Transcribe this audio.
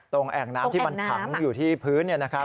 ตรงแอร์น้ำที่มันถังอยู่ที่พื้นเนี่ยนะครับ